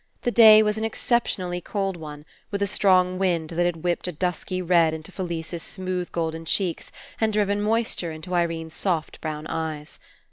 The day was an exceptionally cold one, with a strong wind that had whipped a dusky red into Felise's smooth golden cheeks and driven moisture Into Irene's soft brown eyes.